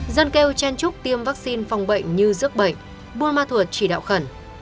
dân kêu chen chúc tiêm vaccine phòng bệnh như giấc bệnh burma thuật chỉ đạo khẩn